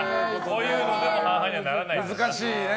こういうのでも半々にならないんだ。